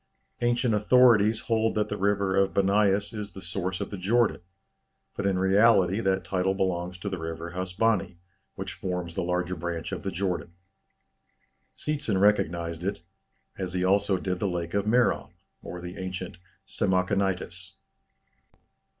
Ancient authorities hold that the river of Bâniâs is the source of the Jordan, but in reality that title belongs to the river Hasbany, which forms the larger branch of the Jordan. Seetzen recognized it, as he also did the Lake of Merom, or the ancient Samachonitis.